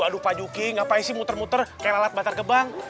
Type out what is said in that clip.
aduh pak juki gapapa sih muter muter kayak lalat batar gebang